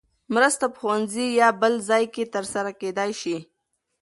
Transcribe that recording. مرسته په ښوونځي یا بل ځای کې ترسره کېدای شي.